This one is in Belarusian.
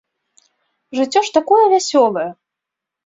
Жыццё ж такое вясёлае!